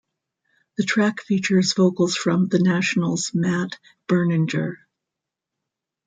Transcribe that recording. The track features vocals from The National's Matt Berninger.